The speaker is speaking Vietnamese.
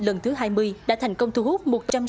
lần thứ hai mươi đã thành công thu hút